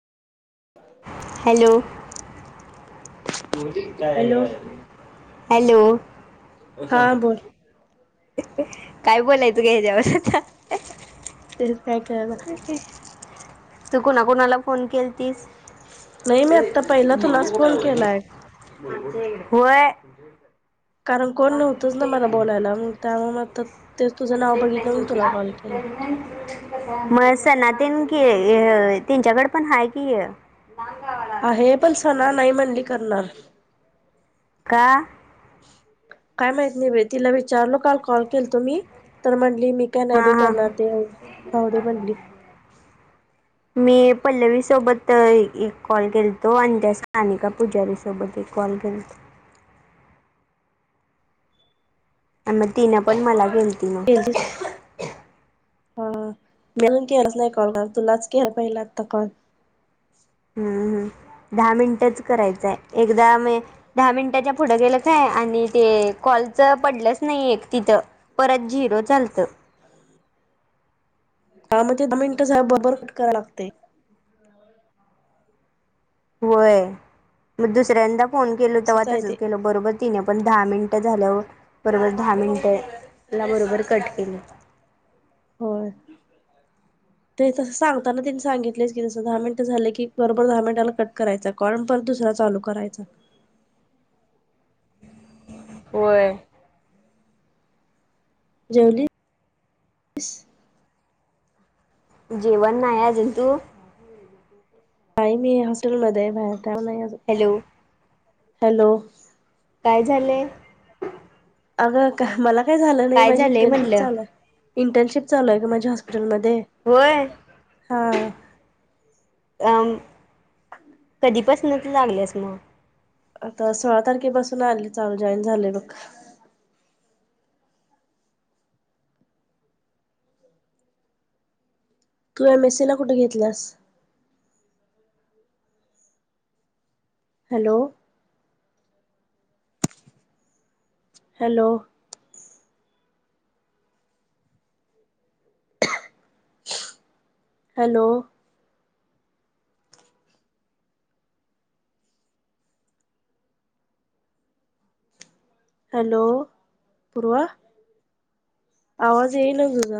hello काय hello हॅलोग हा बोल काय बोलाय तू का ह्याच्याेवला आता तर काय कळव तू कोणाकुणाला फोन केल तस नाही मी आता पहिला तुलाच फोन केलाय होय कारण कोण नव्हतंच ना मला बोलायला मग त्यामुळे म तेच तुझं नाव बघितलं म तुला कॉल केला म सनातीन कि त्यांच्याकडे पण हाय कि आहे पण सणा नाही म्हणली करणार का काय माहत नाही ब तिला विचारलो काल कॉल केल तुम्ही तर म्हण ली मीकनाय हा ब हा करणार ते आ आव दे म्हनली मी पल्लवी सोबत एक कॉल केेलतो आणि त्यासाठी नानिका पुजारी सोबत एक कॉल केेलो मग तिनं पण मला गेलती ना केलतीस हा मळून केलाच नाही कॉल कर तुलाच के पहिला आता कॉल हम्म हम् दहा मिनिटच करायचंय एकदा म दहा मिनिटाच्या पुढं गेलं काय आणि ते कॉ लच पडलंच नाही एक तिथं परत झिरो चालतं का म्हणजे द म इंटर साहेब बरोबर कट करा लागते होय मग दुसऱ्यांदा फोन केलो तेव्हा तसंच आहे तसच ते केल बरोबर तिने पण दहा मिनिटं झाल्यावर बरोबर दहा मिनटं बरोबर कट केली ह ते तसं सांगताना त्यांनी सांगितलेच की जसं दहा मिनट झाले की बरोबर दहा मिनिटाला कट करायचा कॉण पण दुसरा चालू करायचा वर जेवलीस जेवण नाही अजून तू नाही मी होस्टेलमध्ये आहे अजून बाहेर नाही हॅलो हॅलो काय झालय अगं का मला काय झालं नाही माझी झालंय इंटर्नशिप म्हणलं चालय इंटर्नशिप चालूय का माझी हॉस्पट म मध्ये होय हा अ कधीपासूनच लागल्यास मग आता सोळा तारखेपासून आले जॉईन झाले बघ तू एम एस सी कुठे घेतल्यास hello hello hello hello Purva आवाज येईल तुझा